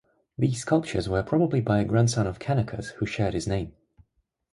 These sculptures were probably by a grandson of Canachus who shared his name.